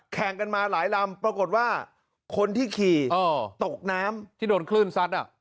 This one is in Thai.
แข่งกันมาหลายลำปรากฏว่าคนที่ขี่ตกน้ำที่โดนคลื่นซัด